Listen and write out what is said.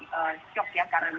terutama mall mall yang saat ini